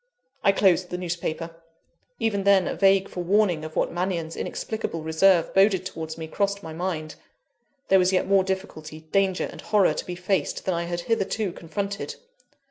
I closed the newspaper. Even then, a vague forewarning of what Mannion's inexplicable reserve boded towards me, crossed my mind. There was yet more difficulty, danger, and horror to be faced, than I had hitherto confronted.